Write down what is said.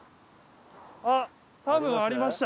あっ多分ありました。